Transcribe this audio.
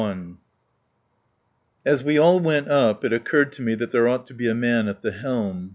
VI As we all went up it occurred to me that there ought to be a man at the helm.